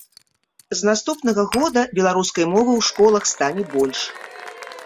З наступнага года беларускай мовы ў школах стане больш.